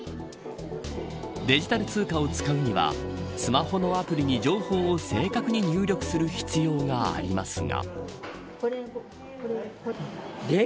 デジタル通貨を使うにはスマホのアプリに情報を正確に入力する必要がありますが。